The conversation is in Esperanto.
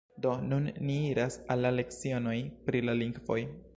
Do, nun ni iras al lecionoj pri la lingvoj